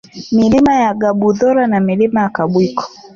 Milima ya Kabuzora na Milima ya Kabwiko